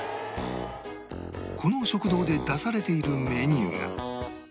この食堂で出されているメニューが